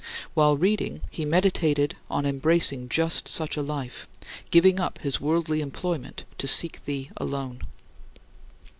While reading, he meditated on embracing just such a life, giving up his worldly employment to seek thee alone.